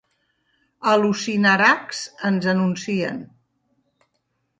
"Al·lucinarax!", ens anuncien.